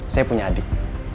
saya punya adik